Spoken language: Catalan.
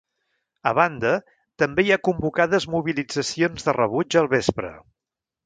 A banda, també hi ha convocades mobilitzacions de rebuig al vespre.